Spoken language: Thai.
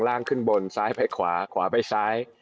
ล่างขึ้นบนซ้ายไปขวาขวาไปซ้าย